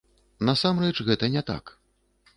Насамрэч, гэта не так.